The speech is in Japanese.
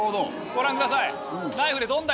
ご覧ください。